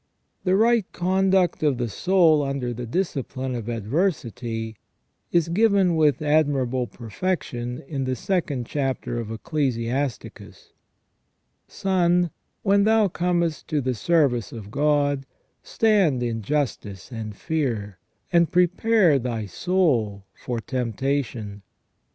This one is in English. The right conduct of the soul under the discipline of adversity is given with admirable perfection in the second chapter of Eccle siasticus :" Son, when thou comest to the service of God, stand in justice and fear, and prepare thy soul for temptation.